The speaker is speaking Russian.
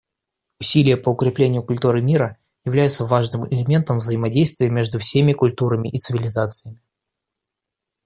Усилия по укреплению культуры мира являются важным элементом взаимодействия между всеми культурами и цивилизациями.